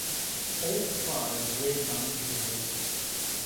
Old fires reignite easily.